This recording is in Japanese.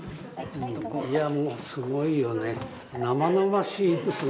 いやもうすごいよね。